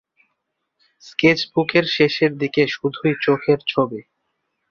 Sketch বুকের শেষের দিকে শুধুই চোখের ছবি।